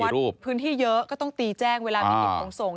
อย่างบางวัดพื้นที่เยอะก็ต้องตีแจ้งเวลามีหยุดตรงส่ง